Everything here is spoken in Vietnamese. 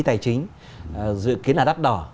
tài chính dự kiến là đắt đỏ